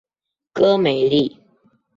戈梅利。